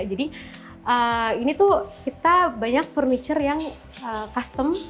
jadi ini tuh kita banyak furniture yang custom